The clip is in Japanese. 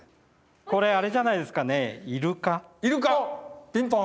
これあれじゃないですかねピンポン！